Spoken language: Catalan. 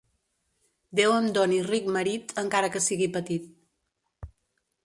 Déu em doni ric marit, encara que sigui petit.